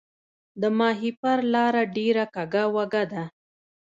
د ماهیپر لاره ډیره کږه وږه ده